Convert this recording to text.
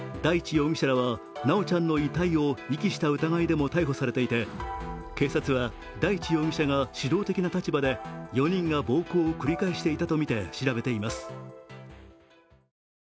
容疑者らは修ちゃんの遺体を遺棄した疑いでも逮捕されていて警察は大地容疑者が主導的な立場で４人が暴行を繰り返していたとみて調べています。